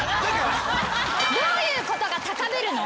どういうことが高ぶるの？